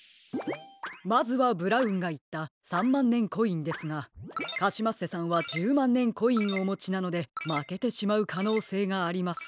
まずはブラウンがいった３まんねんコインですがカシマッセさんは１０まんねんコインおもちなのでまけてしまうかのうせいがあります。